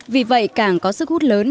vì vậy càng có sức hút lớn